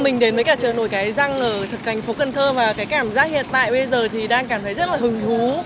mình đến với cả chợ nổi cái răng ở thành phố cần thơ và cái cảm giác hiện tại bây giờ thì đang cảm thấy rất là hứng thú